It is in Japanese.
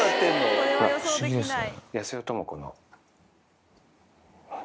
不思議ですね。